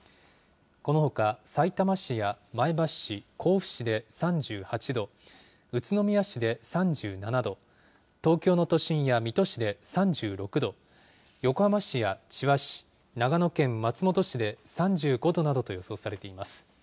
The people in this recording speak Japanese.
このほかさいたま市や前橋市、甲府市で３８度、宇都宮市で３７度、東京の都心や水戸市で３６度、横浜市や千葉市、長野県松本市で３５度などと予想されています。